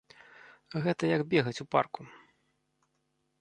Гэта як бегаць у парку.